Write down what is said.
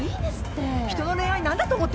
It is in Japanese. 人の恋愛何だと思ってんのよ！